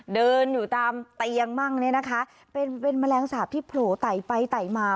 เดินอยู่ตามเตียงบ้างเนี่ยนะคะเป็นเป็นแมลงสาปที่โผล่ไต่ไปไต่มา